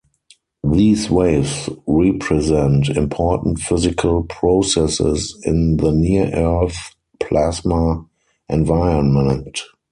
These waves represent important physical processes in the near-Earth plasma environment.